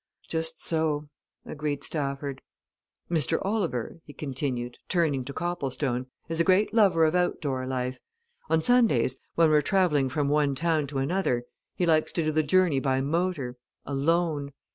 "Just so," agreed Stafford. "Mr. Oliver," he continued, turning to Copplestone, "is a great lover of outdoor life. On Sundays, when we're travelling from one town to another, he likes to do the journey by motor alone.